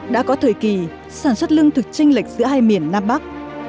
đã có thời kỳ sản xuất lương thực tranh lệch giữa hai miền nam bắc